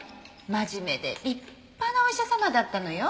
真面目で立派なお医者様だったのよ。